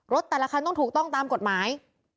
แต่ละคันต้องถูกต้องตามกฎหมาย